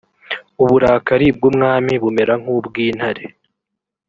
uburakari bw umwami bumera nk ubw intare